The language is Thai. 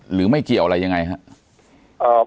หรือไม่เกี่ยวอะไรยังไงครับ